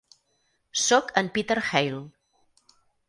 Sóc en Peter Hale.